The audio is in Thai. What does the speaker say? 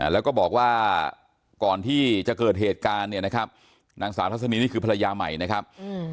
แล้วก็บอกว่าก่อนที่จะเกิดเหตุการณ์เนี่ยนะครับนางสาวทัศนีนี่คือภรรยาใหม่นะครับ